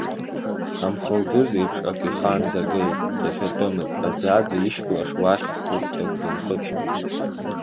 Амхылдыз еиԥш ак ихан дагеит дахьатәымыз, аӡаӡа ишьклаш уахь хҵысҭак дынхыҵуеит.